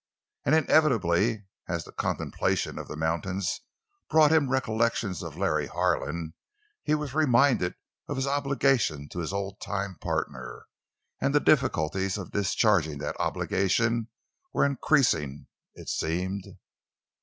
And inevitably as the contemplation of the mountains brought him recollections of Larry Harlan he was reminded of his obligation to his old time partner. And the difficulties of discharging that obligation were increasing, it seemed.